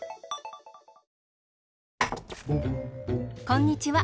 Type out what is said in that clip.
こんにちは。